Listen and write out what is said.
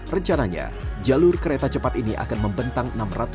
rencananya jalur kereta cepat ini akan membentang